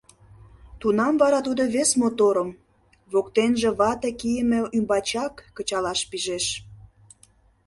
Тунам вара тудо вес моторым, воктенже вате кийыме ӱмбачак, кычалаш пижеш.